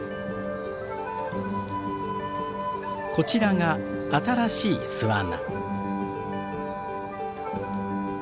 こちらが新しい巣穴。